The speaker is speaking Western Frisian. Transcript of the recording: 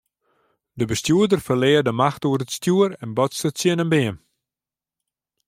De bestjoerder ferlear de macht oer it stjoer en botste tsjin in beam.